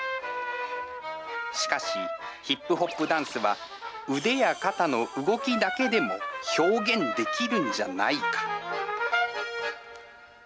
しかし、ヒップホップダンスは、腕や肩の動きだけでも表現できるんじゃないか。